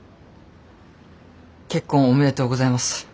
結婚おめでとうございます。